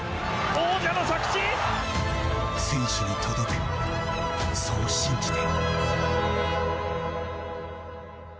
選手に届け、そう信じて。